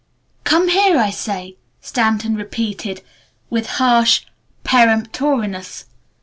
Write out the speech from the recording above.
"Come here, I say!" Stanton repeated with harsh peremptoriness.